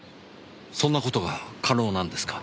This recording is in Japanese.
そんなことが可能なんですか？